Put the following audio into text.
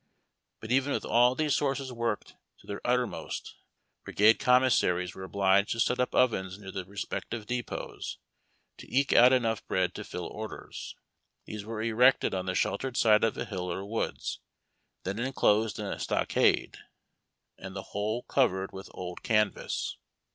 But even with all these .sources worked to their uttermost, brigade commissaries were obliged to set up ovens near their respective depots, to eke out enough bread to fill orders. These were erected on the sheltered side of a hill or woods, then enclosed in a stockade, and the whole covered with old canvas.